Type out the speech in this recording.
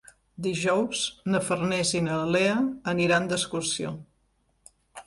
Dijous na Farners i na Lea aniran d'excursió.